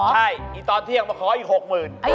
ใช่อีกตอนเที่ยงมาขออีก๖๐๐๐บาท